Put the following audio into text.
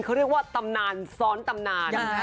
เขาเรียกว่าตำนานซ้อนตำนาน